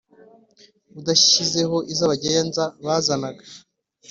udashyizeho izo abagenza bazanaga